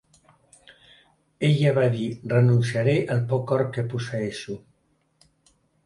Ella va dir: "Renunciaré al poc or que posseeixo."